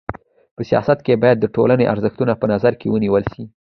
په سیاست کي بايد د ټولني ارزښتونه په نظر کي ونیول سي.